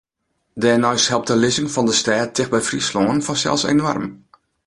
Dêrneist helpt de lizzing fan de stêd ticht by Fryslân fansels enoarm.